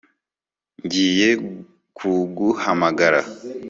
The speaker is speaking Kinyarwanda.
Ngiye kuguhamagara